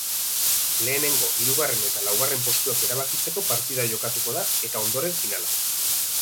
Lehenego, hirugarren eta laugarren postuak erabakitzeko partida jokatuko da eta ondoren finala.